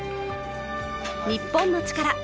『日本のチカラ』